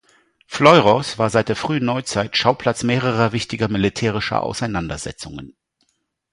Fleurus war seit der frühen Neuzeit Schauplatz mehrerer wichtiger militärischer Auseinandersetzungen.